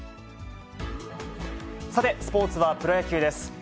さて、スポーツはプロ野球です。